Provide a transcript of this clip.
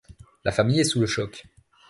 La famille est sous le choc.